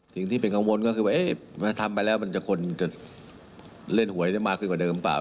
สิ่งที่เป็นกังวลก็คือว่าทำไปแล้วมันจะคนจะเล่นหวยได้มากขึ้นกว่าเดิมเปล่า